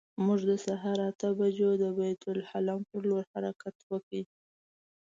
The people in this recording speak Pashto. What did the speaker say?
موږ د سهار اتو بجو د بیت لحم پر لور حرکت وکړ.